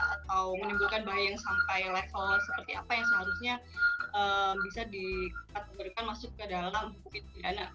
atau menimbulkan bahaya yang sampai level seperti apa yang seharusnya bisa dikategorikan masuk ke dalam hukum pidana